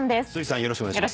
よろしくお願いします。